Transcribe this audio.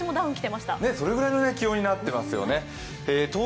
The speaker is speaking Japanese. それぐらいの気温になってますよね。